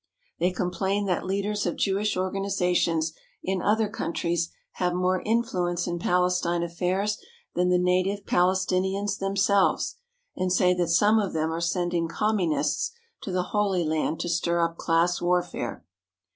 They complain that leaders of Jewish organizations in other countries have more influence in Palestine affairs than the native Palestinians themselves, and say that some of them are sending communists to the Holy Land to stir up class warfare.